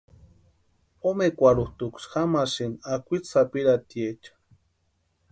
Omekwarhutʼuksï jamasïnti akwitsi sapirhatiecha.